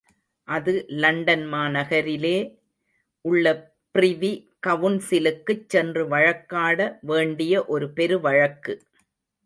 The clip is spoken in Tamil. அது லண்டன் மாநகரிலே உள்ள ப்ரிவி கவுன்சிலுக்குச் சென்று வழக்காட வேண்டிய ஒரு பெரு வழக்கு.